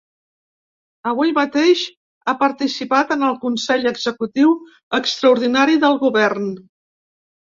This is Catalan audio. Avui mateix ha participat en el consell executiu extraordinari del govern.